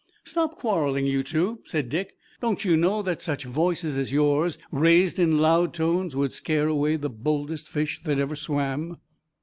"Stop quarreling, you two," said Dick. "Don't you know that such voices as yours raised in loud tones would scare away the boldest fish that ever swam?"